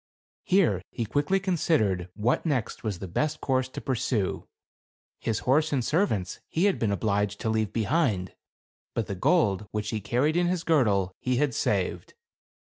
Here he quickly considered what next was the best course to pursue. His horses and servants he had been obliged to leave behind; but the gold, which he carried in his girdle, he had saved.